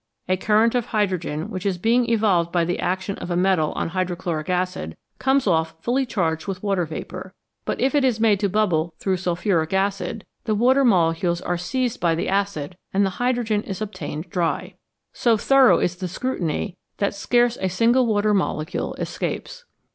A current of hydrogen which is being evolved by the action of a metal on hydrochloric acid comes off fully charged with water vapour, but if it is made to bubble through sulphuric acid, the water molecules are seized by the acid and the hydrogen is obtained dry. So 85 ACIDS AND ALKALIS thorough is the scrutiny that scarce a single water mole cule escapes.